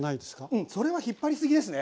うんそれは引っ張りすぎですね